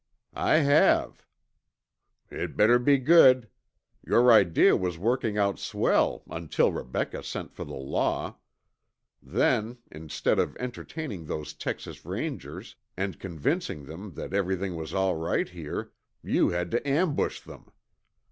"I have." "It better be good. Your idea was working out swell until Rebecca sent for the law. Then, instead of entertaining those Texas Rangers and convincing them that everything was all right here, you had to ambush them.